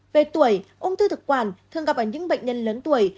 về tuổi ung thư thực quản thường gặp ở những bệnh nhân lớn tuổi